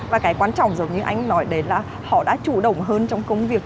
và cái quan trọng giống như anh nói đấy là họ đã chủ động hơn trong công việc